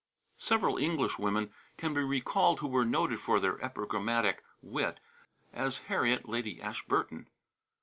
Several Englishwomen can be recalled who were noted for their epigrammatic wit: as Harriet, Lady Ashburton.